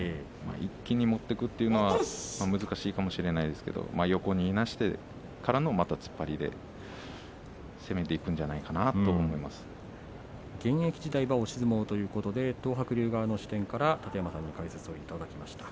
一気に持っていくのは難しいかもしれないですけれど横にいなしてからの突っ張りで攻めていくんじゃないかな現役時代は押し相撲ということで東白龍側の視点から楯山さんの解説をいただきました。